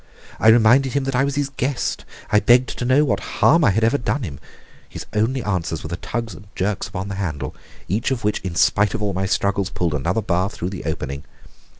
I reminded him that I was his guest; I begged to know what harm I had ever done him. His only answers were the tugs and jerks upon the handle, each of which, in spite of all my struggles, pulled another bar through the opening.